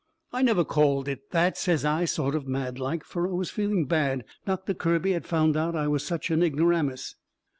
"I never called it that," says I, sort o' mad like. Fur I was feeling bad Doctor Kirby had found out I was such a ignoramus.